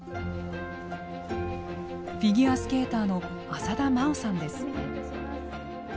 フィギュアスケーターの浅田真央さんです。